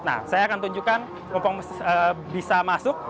nah saya akan tunjukkan mumpong bisa masuk